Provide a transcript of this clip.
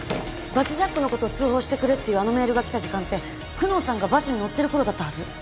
バスジャックのことを通報してくれっていうあのメールが来た時間って久能さんがバスに乗ってるころだったはず。